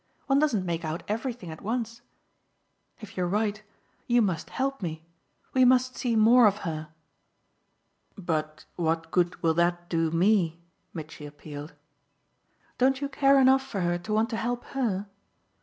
One doesn't make out everything at once. If you're right you must help me. We must see more of her." "But what good will that do me?" Mitchy appealed. "Don't you care enough for her to want to help HER?"